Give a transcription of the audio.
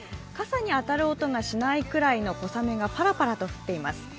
傘に当たる音がしないくらいの小雨がパラパラと降っています。